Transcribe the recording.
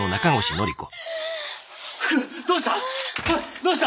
どうした！